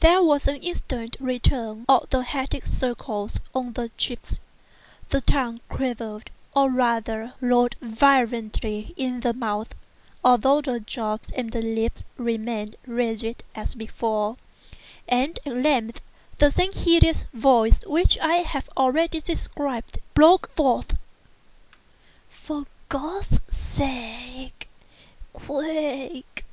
There was an instant return of the hectic circles on the cheeks; the tongue quivered, or rather rolled violently in the mouth (although the jaws and lips remained rigid as before), and at length the same hideous voice which I have already described, broke forth: "For God's sake!—quick!